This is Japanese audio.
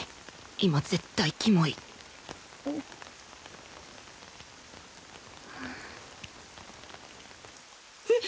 今絶対キモいえっ！？